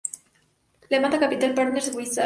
Levante Capital Partners website